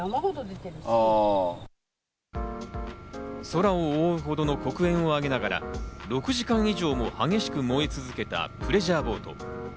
空を覆うほどの黒煙を上げながら６時間以上も激しく燃え続けたプレジャーボート。